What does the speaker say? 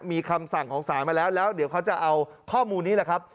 มีคำสั่งของศาลมาแล้วแล้วเดี๋ยวเขาจะเอาข้อมูลนี้แหละครับ